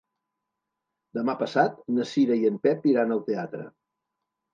Demà passat na Cira i en Pep iran al teatre.